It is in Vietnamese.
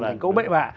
là một câu bậy bạ